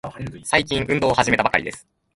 最近、運動を始めたばかりです。